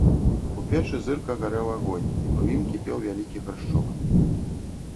У печы зырка гарэў агонь і пры ім кіпеў вялікі гаршчок.